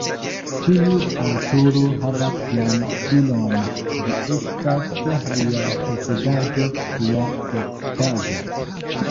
Ĉiu aŭtoro havas sian stilon, ĝi estas lia posedaĵo, lia propraĵo.